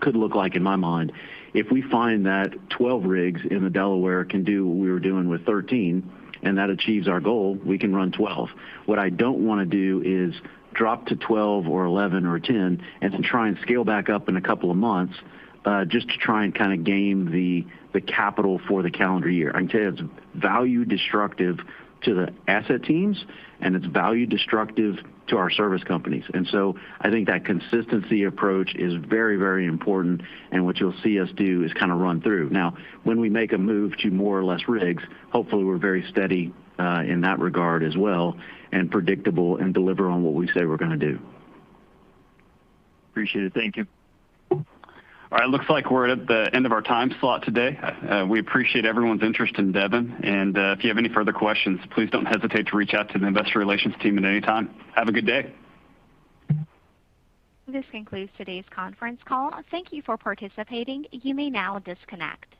could look like in my mind. If we find that 12 rigs in the Delaware can do what we were doing with 13 and that achieves our goal, we can run 12. What I don't want to do is drop to 12 or 11 or 10 and to try and scale back up in a couple of months just to try and kind of game the capital for the calendar year. I can tell you it's value destructive to the asset teams and it's value destructive to our service companies. So I think that consistency approach is very, very important, and what you'll see us do is kind of run through. Now when we make a move to more or less rigs, hopefully we're very steady in that regard as well and predictable and deliver on what we say we're going to do. Appreciate it. Thank you. All right. Looks like we're at the end of our time slot today. We appreciate everyone's interest in Devon. If you have any further questions, please don't hesitate to reach out to the investor relations team at any time. Have a good day. This concludes today's conference call. Thank you for participating. You may now disconnect.